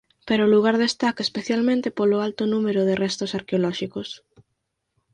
Pero o lugar destaca especialmente polo alto número de restos arqueolóxicos.